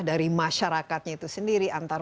dari masyarakatnya itu sendiri antar